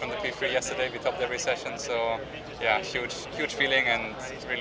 ini adalah perasaan yang sangat besar dan saya sangat senang untuk tim ini